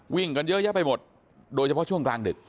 วิ่งกันเยอะแยะไปหมดโดยเฉพาะช่วงกลางดึก